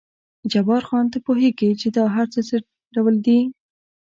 جبار خان، ته پوهېږې چې دا هر څه څه ډول دي؟